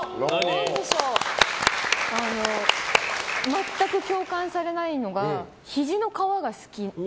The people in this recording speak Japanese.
全く共感されないのがひじの皮が好きで。